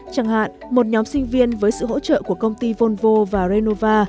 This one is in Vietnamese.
chẳng hạn một nhóm sinh viên với sự hỗ trợ của công ty volvo và renova